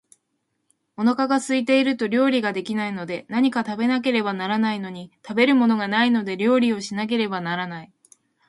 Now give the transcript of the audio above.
お腹が空いていると料理が出来ないので、何か食べなければならないのに、食べるものがないので料理をしなければならない